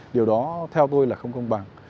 điều đó theo tôi là không công bằng